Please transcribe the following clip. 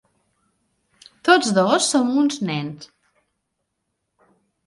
Tots dos som uns nens.